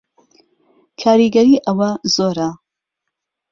کاریگەری ئەوە زۆرە